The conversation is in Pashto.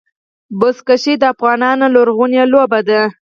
بزکشي د افغانانو لرغونې لوبه ده.